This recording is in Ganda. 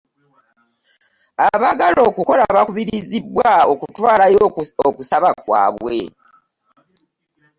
Abagala okukola bakubirizibwa okutwalayo okusaba kwaabwe.